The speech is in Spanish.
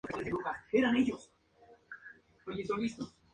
Mercier-Hutchinson se impuso en la clasificación por equipos.